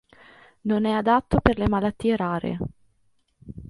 Non è adatto per le malattie rare.